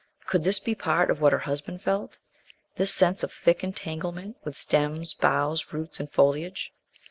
Could this be part of what her husband felt this sense of thick entanglement with stems, boughs, roots, and foliage?